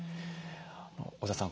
太田さん